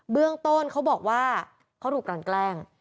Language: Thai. เรื่องต้นเขาบอกว่าเขาถูกกันแกล้ง